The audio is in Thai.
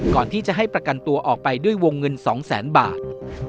ก่อนที่จะให้ประกันตัวออกไปด้วยวงเงิน๒แสนบาท